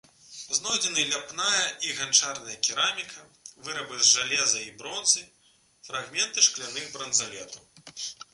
Знойдзены ляпная і ганчарная кераміка, вырабы з жалеза і бронзы, фрагменты шкляных бранзалетаў.